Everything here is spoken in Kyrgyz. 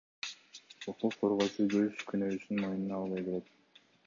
Укук коргоочу өз күнөөсүн мойнуна албай келет.